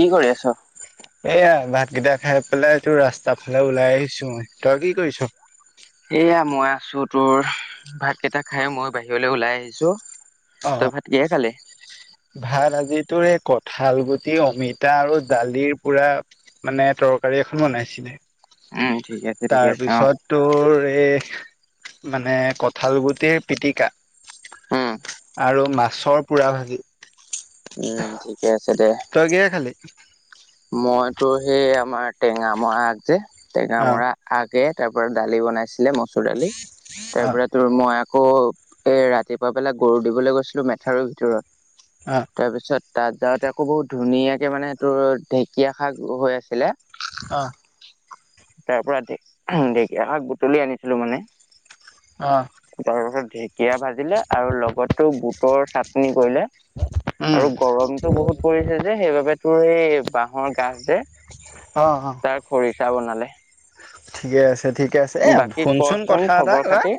কি কৰি আছ? এইয়া ভাতকেইটা খাই পেলাই তোৰ ৰাস্তাৰ ফালে ওলাই আহিছো, তই কি কৰিছ? এয়া মই আছোঁ তোৰ ভাত কেইটা খাই মই বাহিৰলৈ ওলাই আহিছোঁ। অ তই ভাত কিহে খালি? ভাত আজিতোৰ এই কঠাল গুটি, অমিতা আৰু দালিৰ পুৰা মানে তৰকাৰী এখন বনাইছিলে উম ঠিকে আছে ঠিকে আছে অ তাৰপিছত তোৰ এই মানে কঠাল গুটিৰ পিটিকা। উম আৰু মাছৰ পোৰা ভাজি। উম, ঠিকে আছে দে। তই কিহে খালি? [unintelligible] মইতো সেই আমাৰ টেঙা মৰা আগ যে টেঙা অ', মৰা। আগে তাৰ পৰাৰা দালি বনাইছিলে মচুৰ দালি তাৰ অ', পৰা তোৰ মই আকৌ এ ৰাতিপুৱা পেলাই গৰু দিবলৈ গৈছিলোঁ মেথাৰৰ ভিতৰত অ'। তাৰপিছত তাত যাওঁতে আকৌ বহুত ধুনীয়াকৈ মানে সেইটো ঢেঁকীয়া শাক হৈ আছিলে অ'। তাৰ পৰাৰা ঢেঁকীয়া শাক বুটলি আনিছিলোঁ মানে। অ'। তাৰ পাছত ঢেঁকীয়া ভাজিলে আৰু লগতো বুটৰ চাটনি কৰিলে। উম, আৰু গৰমতটো বহুত পৰিছে যে সেইবাবে তোৰ এই বহৰ গাজ যে অ', অ'। তাৰ খৰিচা বনালে। ঠিকে আছে, ঠিকে আছে এ বাকী শুনচোন কচোন কথা এটা খবৰ লৰা খাতি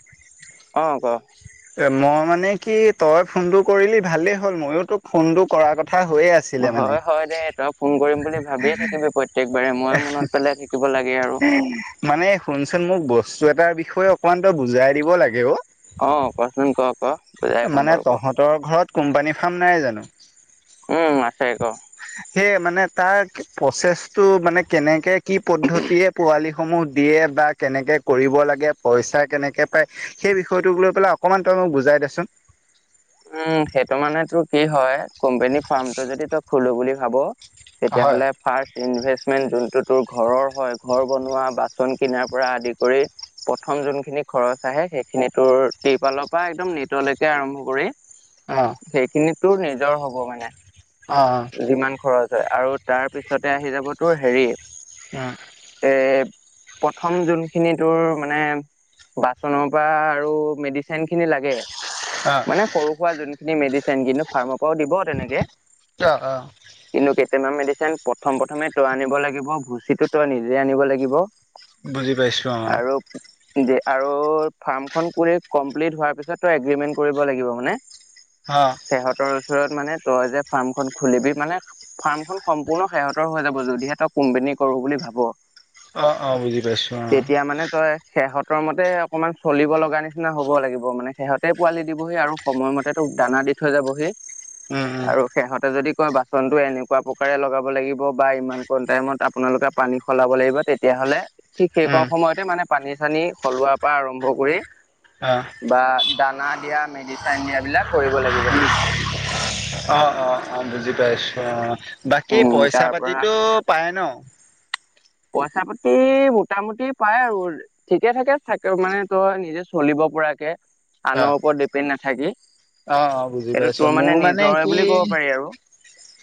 অ', ক এ মই মানে কি তই ফোনটো কৰিলি ভালেই হ'ল ময়ো তোক ফোনটো কৰাৰ কথা হৈয়ে আছে হয়, হয় দে তই ফোন কৰিম বুলি ভাবিয়ে থাকিবি প্ৰত্যেকবাৰে মই মনত পেলাই থাকিব লাগে আৰু। মানে শুনচোন মোক বস্তু এটাৰ বিষয়ে অকমান তই বুজাই দিব লাগে অ'। অ', কচোন কওক। মানে তহঁতৰ ঘৰত কোম্পানী ফাৰ্ম নাই জানোঁ। উম আছে ক। সেয়ে মানে তাৰ প্ৰচেছটো মানে কেনেকে কি পদ্ধতিয়ে পোৱালিসমূহ দিয়ে বা কেনেকে কৰিব লাগে পইচা কেনেকে পায় সেই বিষয়টোক লৈ পেলাই অকমান তই মোক বুজাই দেচোন। উম সেইটো মানে তোৰ কি হয় কোম্পনী ফাৰ্মটো যদি তই খলো বুলি ভাবোঁ। হয় তেতিয়াহ'লে ফাৰ্ষ ইনভেষ্টমেন্ট যোনটো তোৰ ঘৰৰ হয় ঘৰ বনোৱা বাচন কিনাৰ পৰা আদি কৰি প্ৰথম যোনখিনি খৰচ আহে সেইখিনি তো তিৰপালৰ পৰা একদম নটলৈকে আৰম্ভ কৰি অ'। সেইখিনিতোৰ নিজৰ হ'ব মানে অ', অ'। যিমান খৰচ হয় আৰু তাৰ পিছতে আহি যাবতোৰ হেৰি উম। এ প্ৰথম যোনখিনি তোৰ মানে বাচনৰ পৰা আৰু মেডিচিনখিনি লাগে। আ মানে সৰু - সুৰা যোনখিনি মেডিচিন কিন্তু ফাৰ্মৰ পৰাও দিব তেনেকে অ অ কিন্তু কেইটামান মেডিচিন প্ৰথম প্ৰথমে তই আনিব লাগিব, ভুচিটো তই নিজে আনিব লাগিব বুজি পাইছো অ। ও দে আৰু ফাৰ্ম খন কোৰে কমপ্লিট হোৱাৰ পিছত তই এগ্ৰিমেন্ট কৰিব লাগিব। মানে? হ। সেহঁতৰ ওচৰত মানে তই যে ফাৰ্মখন খুলিবি মানে ফাৰ্মখন সম্পূৰ্ণ সেহঁতৰ হৈ যাব যদিহে তই কোম্পোনী কৰো বুলি ভাব। অ অ বুজি পাইছো অ তেতিয়া মানে তই সেহঁতৰ মতে অকমান চলিব লগা নিচিনা হ'ব লাগিব মানে সেহঁতে পোৱালি দিবহি আৰু সময়মতে তোক দানা দি থৈ যাবহি উম উম আৰু সেহঁতে যদি কয় বাচনটো এনেকুৱা প্ৰকাৰে লগাব লাগিব বা ইমান কম টাইমত আপোনালোকে পানী সলাব লাগিব তে তিয়াহলে ঠিক সেই কৰা উম সময়তে মানে পানী - চানী সলোৱাৰ পৰা আৰম্ভ কৰি অঁ। বা দানা দিয়া, মেডিচেন দিয়াবিলাক কৰিব লাগিব। অ অ অ বুজি পাইছো অ, বাকী উম পইচা তাৰ - পৰা পাতিতো পায় ন? পইচা পাতি মোটামুটি পায় আৰু ঠিকে ঠাকে থাকে মানে তই নিজে চলিব পৰাকে। অ আনৰ ওপৰত ডিপেণ্ড নাথাকি। অ অ বুজি এইটো পাইছো তোৰ মোৰ মানে নিজৰে কি বুলি ক'ব পাৰি আৰু।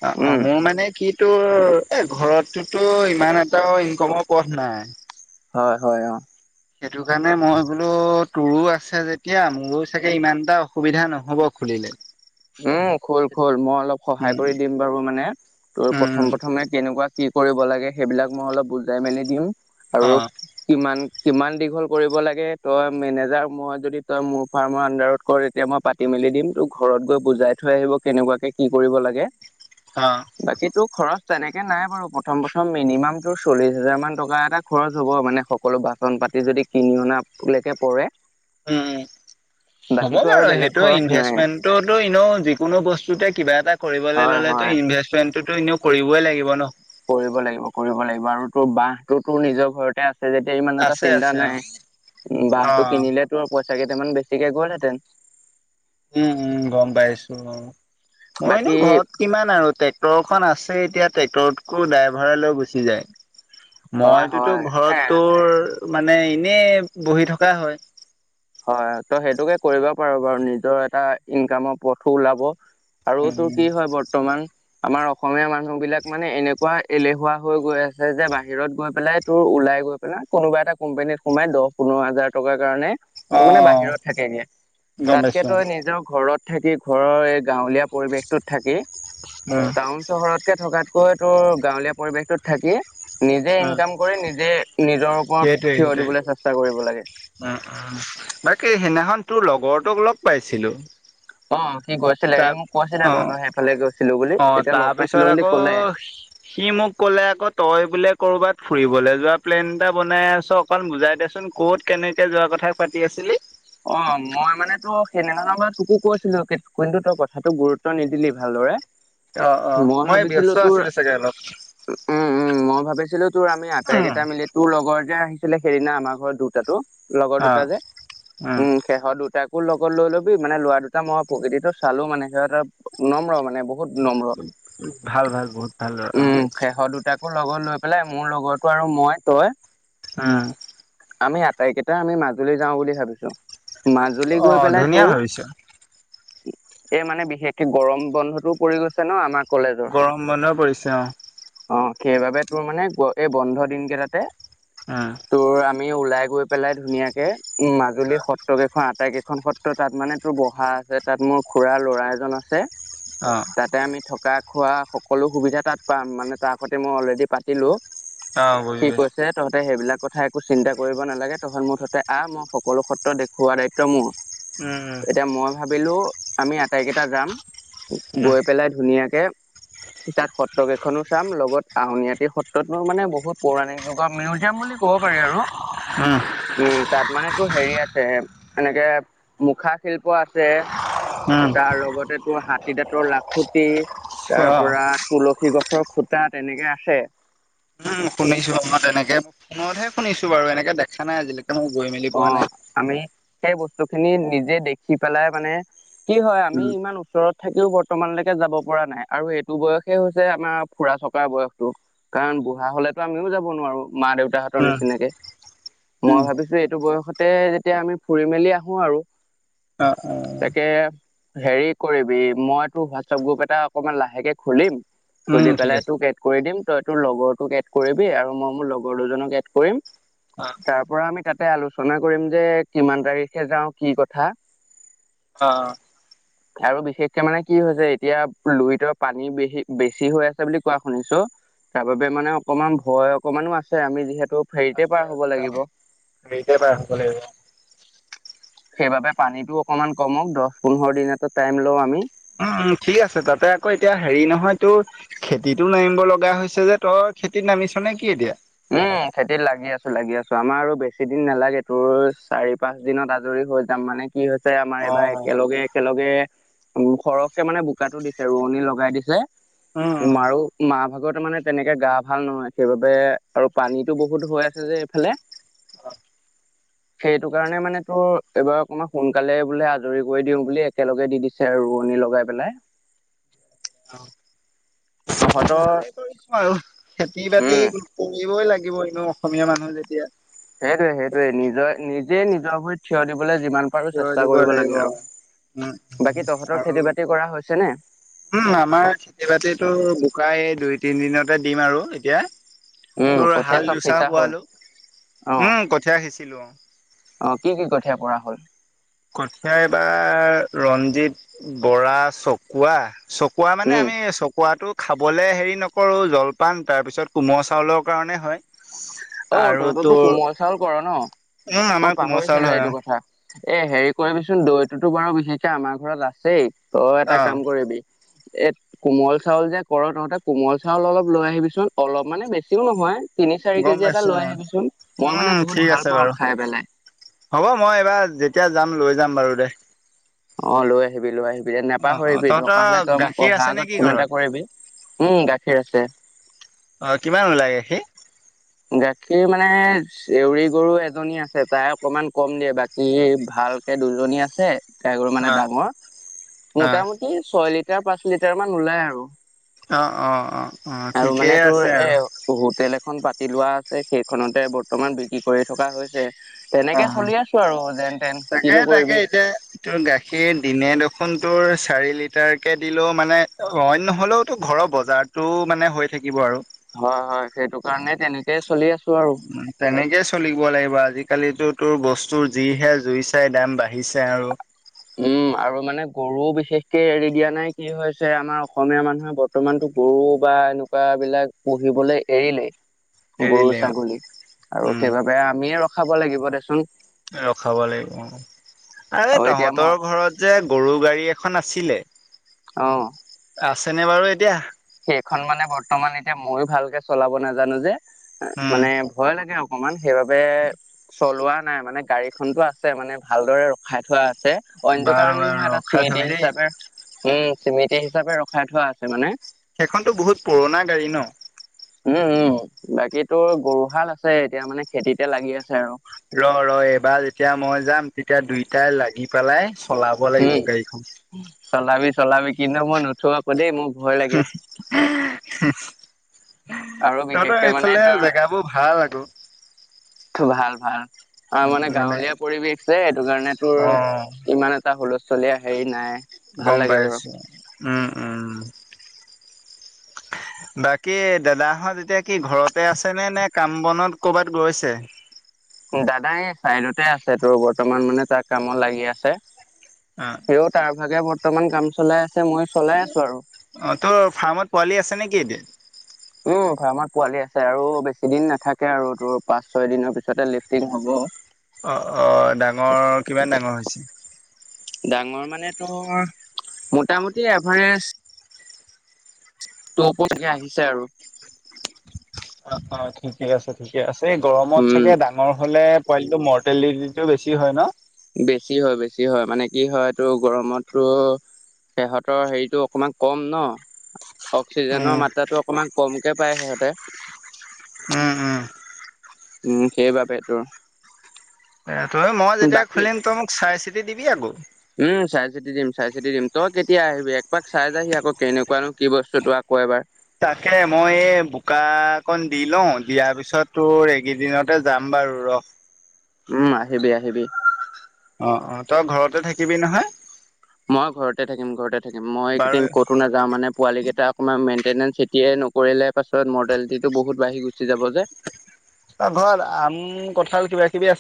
অ- অ উম মোৰ মানে কি তোৰ এ ঘৰতটো ইমান এটাও ইনকমৰ পথ নাই। হয়- হয়, অ। সেইটো কাৰণে মই বোলো, তোৰো আছে যেতিয়া মোৰো চাগে ইমান এটা অসুবিধা নহব। খুলিলে। উম, খোল খোল মই অলপ সহায় উম কৰি দিম বাৰু মানে তোৰ উম প্ৰথম- প্ৰথমে কেনেকুৱা কি কৰিব লাগেসেইবিলাক মই অলপ বুজাই মেলি দিম অ আৰু কিমান কিমান দীঘল কৰিব লাগে, তই মেনেজাৰ মই যদি তই মোৰ ফাৰ্মৰ আনডাৰত কৰ তেতিয়া মই পাত টি মেলি দিম, তোক ঘৰত গৈ বুজাই থৈ আহিব কেনেকুৱাকে কি কৰিব লাগে? অ। বাকীটো খৰচ তেনেকে নাই বাৰু। প্ৰথম- প্ৰথম মিনিমাম তোৰ চল্লিশ হাজাৰমান টকা এটা খৰচ হ'ব মানে হ কলো বাচন পাতি যদি কিনি অনা লৈকে পৰে উম, উম, বাকীতো হ'বগে আৰু বাৰু বেলেগ সেইটো খৰচ নাই ইনভেষ্টমেণ্ট তোৰ টো ইনও যিকোনো বস্তুতে কিবা এটা কৰিবলে হয় হয় ল'লেটো ইনভেছ চেনটোতো ইনেও কৰিবই লাগিব ন। কৰিব লাগিব, কৰিব লাগিব আৰু তোৰ বাহটো তোৰ নিজৰ ঘৰতে আছ যে যেতিয়া ইমান এটা আছে চিন্তা আছে অ নাই। অ বাহটো কিনিলেতো পইচা কেইটামান বেছিকে গ'লহেঁতেন। উম- উম, গম পাইছো অ, মই নো বাকী ঘৰত কিমান আৰু ট্ৰেক্টৰখন আছে এতিয়া ট্ৰেক্টৰটোকো ড্ৰাইভাৰলৈ গুচি যায়। হয় মইটোতো হয় ঘৰত এ তোৰ মানে এনেই বহি থকা হয়। হয় ত সেইটোকে কৰিব পাৰো বাৰু নিজৰ এটা ইনকামৰ পথো ওলাব। আৰু তোৰ কি হয় বৰ্তমান। আমাৰ অসমীয়া মানুহ বিলাক মানে এনেকুৱা এলেহুৱা হৈ গৈ আছে যে বাহিৰত গৈ পেলাই তোৰ ওলাই গৈ, কোনোবা এটা কোম্পানীত সোমাই দহ পোন্ধৰ হাজাৰ টকাৰ কাৰণে চব মানে অ' বাহিৰত থাকেগে। গম তাতকে পাইছো উম, তই নিজৰ ঘৰত থাকি ঘৰৰ এই গাঁৱলীয়া, পৰিৱেশটোত থাকি টাউন চহৰতকে থকাতকৈ, তোৰ গাঁৱলীয়া পৰিৱেশটোত থাকি, নিজে ইনকাম কৰি নিজে নিজৰ ওপৰত সেইটোৱে থিয় সেইটোৱে। দিবলৈ চেষ্টা কৰিব লাগে। উম- উম বাকী সেইদিনাখন তোৰ লগৰটোক লগ পাইছিলো। অ, কি গৈছিলে এই তাক মোক কৈছিলে অ', তহঁতে সেইফালে গৈছিলো বুলি। অ' তেতিয়া লগ পাইছিলো তাৰপিছত বুলি আকৌ কলে। সি মোক কলে, আকৌ তই বোলে কৰবাত ফুৰিবলৈ যোৱা প্লেন এটা বনাই আছ। অকমান বুজাই দে চোন কত কেনেকে, যোৱা কথা পাতি আছিলি? অ, মই মানে টো সেইদিনা তোকো কৈছিলো। কিন্তু তই কথাটোক গুৰুত্ব নিদিলি ভালদৰে। অ- অ মই ভাবিছিলো ব্যস্ত তোৰ আছিলো চাগে অলপ। উম- উম, মই ভাবিছিলো তোৰ আমি আটাই উম, কেইটা মিলি তোৰ লগত, যে আহিছিলে সেইদিনা আমাৰ ঘৰত দুটাটো লগৰ দুটা যে। অ। সিহঁত দুটাকো লগত লৈ লবি। মানে লৰা দুটা মই প্ৰকৃতিটো চালো মানে সিহঁতৰ নম্ৰ মানে বহ বহুত নম্ৰ ভাল ভাল বহুত ভাল ল'ৰা অ', উম। সেহঁত দুটাকো লগত লৈ পেলাই, মোৰ লগৰতো আৰু মই তই। উম। আমি আটাইকেইটা আমি মাজুলী যাওঁ বুলি ভাবিছো। মাজুলী গৈ অ', পেলাই ধুনীয়া তোৰ, ভাবিছ এই মানে বিশেষকে গৰম বন্ধটোও পৰি গৈছে ন আমাক গৰম বন্ধ পৰিছে, অ। অ, সেইবাবে তোৰ মানে এই বন্ধ দিন গেটাতে। অ তোৰ আমি ওলাই গৈ পেলাই ধুনীয়াকে উম মাজুলী সত্ সত্ৰ কেইখন আটাই কেইখন সত্ৰ তাত মানে তোৰ বহা আছে তাত মোৰ খুৰাৰ ল'ৰা এজন আছে অ তাতে আমি থকা খোৱা সকলো সুবিধা তাত পাম মানে তাৰ সৈতে মই অলৰেডি পাত তিলো অ', বুজি সি পাইছো কৈছে তহঁতে সেইবিলাক কথা একো চিন্তা কৰিব নালাগে তহঁত মুঠতে আহ মই সকলো সত্ৰ দেখ খুৱাৰ দায়িত্ব মোৰ উম উম এতিয়া মই ভাবিলো আমি আটাইকেইটা যাম উম, গৈ পেলাই ধুনীয়াকে পিছাত সত্ৰ কেইখনো চাম লগত আউনিআতি সত্ৰতো মানে বহুত পৌৰাণিক যুগৰ মিউজিয়াম বুলি ক'ব পাৰে আৰু উম উম তাত মানে তোৰ হেৰি আছে এনেকে মুখা শিল্প আছে উম, তাৰ লগতে তোৰ হাতীদাঁতৰ লাখুঁটি তাৰ অ', পৰা তুলসী গছৰ খুটা তেনেকে আছে উম, শুনিছো আপোনাৰ তেনেকে ফোনতহে শুনিছো বাৰু এনেকে দেখা নাই আজিলৈকে মই গৈ মেলি অ পোৱা নাই আমি সেই বস্তুখিনি নিজে দেখি পেলাই মানে কি হয় আমি উম, ইমান ওচৰত থাকিও বৰ্তমানলৈকে যাব পৰা নাই আৰু এইটো বয়সে হৈছে আমাৰ ফুৰা চকা বয়সতো কাৰণ বুঢ়া হলেতো আমিও যাব নোৱাৰো মা দেউতাহঁত ত উম, নিচিনাকে উম, মই ভাবিছো এইটো বয়সতে যেতিয়া আমি ফুৰি মেলি আহো আৰু। অ অ তাকে হেৰি কৰিবি মই তোৰ হোৱাটছপ গ্ৰুপ এটা অকমান লাহেকে খুলিম উম, খুলি ঠিক পেলাই আছে তোক এ কৰি দিম, তই তোৰ লগৰ তোক এড কৰিবি আৰু মই মোৰ লগৰ দুজনক এড কৰিম অ', তাৰ পৰা আমি কাট তে আলোচনা কৰিম যে কিমান তাৰিখে যাওঁ কি কথা। আহ। আৰু বিশেষকে মানে কি হৈছে এতিয়া লুইতৰ পানী বে বেছি হৈ আছে বুলি কোৱা শুনিছো। তাৰ বাবে মানে অকমান ভয় অকমানো আছে। আমি যিহেতু ফেৰীতে [unintelligible] পাৰ হ'ব লাগিব গাৰীতে পাই শুব লাগিব। সেইবাবে পানীতটো অকণমান কমক দহ পোন্ধৰ দিনত এটা টাইম লও আমি। উম ঠিক আছে, তাতে আকৌ এতিয়া হেৰি নহয় তোৰ খেতিটো নামিব লগা হৈছে যে, তই খেতিত নামিছা নে কি এতিয়া? উম খেতিত লাগি আছো, লাগি আছো, আমাৰ আৰু বেছি দিন নালাগে তোৰ চাৰি পাঁচ দিনত আজৰি হৈ যাম, মানে কি হৈছে আমাৰ এইবাৰ অ', একেলগে একেলগে উ সৰহকে মানে বোকাটো দিছে ৰোৱনী লগাই দিছে। উম। মাৰো মা ভাগতে মানে তেনেকে গা ভাল নহয় সেইবাবে আৰু পানীতটো বহুত হৈ আছে যে এইফালে। সেইটো কাৰণে মানে তোৰ এইবাৰ অকমান সোনকালে বোলে আজৰি কৰি দিও বুলি একেলগে দি দি ছে ৰোৱনী লগাই পেলাই। তহঁতৰ ভালে কৰিছো আৰু খেতি বাতি উম কৰিবই লাগিব এনে অসমীয়া মানুহ যেতিয়া। সেইটোৱে সেইটোৱে নিজৰ নিজে নিজৰ ভৰিত থিয় দিবলৈ যিমান পাৰোঁ থিয় চেষ্টা দিব কৰিব লাগিব লাগে আৰু, উম, বাকী তোহতৰ আৰু খেতি বাতি কৰা হৈছে নে? উম আমাৰ খেতি বাতিতো বোকাই দুই তিন দিনতে দিম আৰু এতিয়া। উম তোৰ কঠীয়া হাল চব দোচা সিঁচা হ'ল পোৱালো, অ উম কঠীয়া সিঁচিলো অ। অ কি কি কঠিয়াই পৰা হ'ল? কঠিয়া এবাৰ ৰঞ্জিত, বৰা, চকোৱা চ কুৱা মানে উম আমি চকুৱটো খাবলে হেৰি নকৰো জলপান তাৰ পিছত কোমল চাউলৰ কাৰণে হয়। অ আৰু তহঁতৰতো তোৰ কোমল চাউল কৰ ন, উম, মই আমাৰ কোমল চাউল পাহৰিছিলো হয় এইটো অ', কথা। এ হেৰি কৰিবিচোন দৈততো বাৰু বিশেষকে আমাৰ ঘৰত আছেই, তই এটা অ'। কাম কৰিবি এট কোমল চাউল যে কৰৰ তহঁতে কোমল চাউল অলপ লৈ আহিবিচোন অলপ মানে বেছিও নহয়। তিনি চাৰি গম কেজি এটা পাইছো লৈ অ আহিবিচোন। মই মানে উম বহুত ঠিক ভাল আছে পাওঁ বাৰু খাই পেলাই। হ'ব মই এইবাৰ যেতিয়া যাম লৈ যাম বাৰু দে। অঁ লৈ আহিবি লৈ আহিবি অ অ নাপাহৰিবি তহঁতৰ দৰকা হ'লে তই মোক গাখীৰ অহাৰ আছে নে কি আগত ফোন ঘৰত এটা কৰিবি। উম গাখীৰ আছে। অ কিমান ওলাই গাখীৰ? গাখীৰ মানে চেউৰি গৰু এজনী আছে তাই অকনমান কম দিয়ে বা কি ভালকে দুজনী আছে কাই গৰু মানে অ ডাঙৰ, অ মোটামুটি ছয় লিটাৰ, পাঁচ লিটাৰ মান ওলাই আৰু। অ অ অ অ আৰু মানে ঠিকেই তোৰ আছে এ আৰু। হোটেল এখন পাতি লোৱা আছে সেইখনতে বৰ্তমান বিক্ৰী কৰি থকা হৈছে অ তেনেকে চলি আছো আৰু যেন তেন তাকে কিনো তাকে কৰিবি এতিয়া তোৰ গাখীৰ দিনে দেখোন তোৰ চাৰি লিটাৰকে দিলেও মানে অইন নহ'লেও ঘৰৰ বজাৰটো মানে হৈ থাকিব আৰু হয় হয় সেইটো কাৰণে তেনেকেই চলি আছো আৰু তেনেকেই চলিব লাগিব আজিকালিতো তোৰ বস্তুৰ যিহে জুই চাই দাম বাঢ়িছে আৰু উম আৰু মানে গৰুও বিশেষকে এৰি দিয়া নাই কি হৈছে আমাৰ অসমীয়া মানুহে বৰ্তমানতো গৰু বা এনেকুৱা বিলাক পুহিবলে এৰিলেই গৰু এৰিলে অ ছাগলী আৰু উম সেইবাবে আমিয়ে ৰখাব লাগিব দেচোন। ৰখাব লাগিব আৰে আৰু এতিয়া মই তহঁতৰ ঘৰত যে গৰু গাড়ী এখন আছিলে অ আছেনে বাৰু এতিয়া সেইখন মানে বৰ্তমান এতিয়া মই ভালকে চলাব নাজানো যে উম মানে ভয় লাগে অকমান সেইবাবে চলোৱা নাই মানে গাড়ী খনটো আছে মানে ভালদৰে ৰখাই থোৱা আছে। অইনটো বাৰু কাৰণে বাৰু নহয় এটা ৰখাই স্মৃতি থবি দেই হিচাপে উম স্মৃতি হিচাপে ৰখাই থোৱা আছে মানে সেইখনতো বহুত পুৰণা গাড়ী ন উম উম বাকী তোৰ গৰুহাল আছে এতিয়া মানে খেতিতে লাগি আছে আৰু ৰ ৰ এইবাৰ যেতিয়া মই যাম তেতিয়া দুইটাই লাগি পেলাই চলাব উম লাগিব গাড়ীখন চলাবি চলাবি কিন্তু মই নুথো আক দেই মোৰ ভয় লাগে এহ হুম আৰু তহঁতৰ বিশেষকে মানে এইফালে তোৰ জেগাবোৰ ভাল আক ভাল ভাল অ মানে গাঁৱলীয়া পৰিৱেশ যে এইটো কাৰণে অ তোৰ ইমান এটা হুলস্থুলীয়া হেৰি নাই ভাল গম লাগে বাৰু পাইছে উম উম বাকী দাদাহঁত এতিয়া কি ঘৰতে আছে নে নে কাম বনত কৰ'বাত গৈছে দাদা এই চাইদতে আছে তোৰ বৰ্তমান মানে তাৰ কামত লাগি আছে অ তো তাৰ ভাগে বৰ্তমান কাম চলাই আছে মই চলাই আছো আৰু অ তোৰ ফাৰ্মত পোৱালি আছে নেকি এতিয়া উম ফাৰ্মত পোৱালি আছে আৰু বেছি দিন নাথাকে আৰু তোৰ পাঁচ ছয় দিনৰ পিছতে লিফ্টিং হ'ব অ অ ডাঙৰ কিমান ডাঙৰ হৈছে ডাঙৰ মানে তোৰ মোটামুটি এভাৰেজ তপচকে আহিছে আৰু অ অ ঠিকে আছে ঠিকে আছে এই গৰমত উম চাগে ডাঙৰ হলে পোৱালিটো মৰ্টেলিটিটো বেছি হয় ন বেছি হয় বেছি হয় মানে কি হয় তো গৰমতটো সিহঁতৰ হেৰিটো অকণমান কম ন অক্সিজেনৰ উম মাত্ৰাটো অকণমান কমকে পায় সিহঁতে উম উম উম সেইবাবেটো এ তই মই যেতিয়া খুলিম তই মোক চাই চিতি দিবি আক উম চাই চিতি দিম চাই চিতি দিম তই কেতিয়া আহিবি একপাক চাই যাহি আক কেনেকুৱানো কি বস্তুতো আকৌ এবাৰ তাকে মই এই বোকাকন দি লওঁ দিয়াৰ পিছত তোৰ এইকেইদিনতে যাম বাৰু ৰহ উম আহিবি আহিবি অ অ তই ঘৰতে থাকিবি নহয় মই ঘৰতে থাকিম ঘৰতে থাকিম মই বাৰু এইকেইদিন ক'তো নাযাও মানে পোৱালি কেইটা অকণমান মেইনটেনেঞ্চ এতিয়া নকৰিলে পাছত মডেলিটি টো বহুত বাঢ়ি গুচি যাব যে অ ঘৰত আম কঁঠাল কিবা কিবি আছে